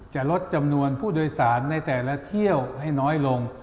จะลดจำนวนผู้โดยสารในแต่ละเที่ยวให้น้อยลง